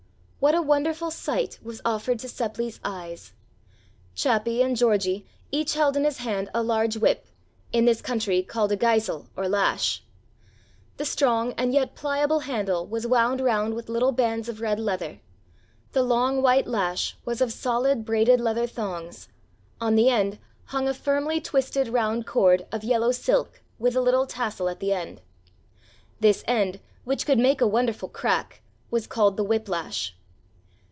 What a wonderful sight was offered to Seppli's eyes! Chappi and Georgie each held in his hand a large whip, in this country called a Geissel or lash. The strong and yet pliable handle was wound round with little bands of red leather. The long white lash was of solid braided leather thongs; on the end hung a firmly twisted round cord of yellow silk with a little tassel at the end. This end, which could make a wonderful crack, was called the whip lash.